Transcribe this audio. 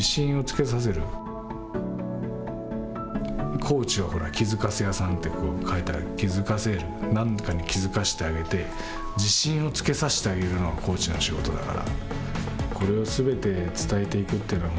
コーチは気づかせ屋さんと書いた気づかせる何かに気づかせてあげて自信を付けさせてあげるのがコーチの仕事だから。